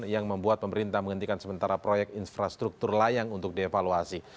yang membuat pemerintah menghentikan sementara proyek infrastruktur layang untuk dievaluasi